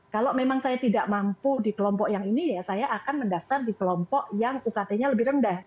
kalau memang saya tidak mampu di kelompok yang ini ya saya akan mendaftar di kelompok yang ukt nya lebih rendah